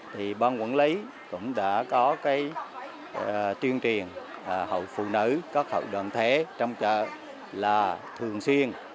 thì ban quản lý cũng đã có tuyên truyền hậu phụ nữ các hậu đoạn thế trong chợ là thường xuyên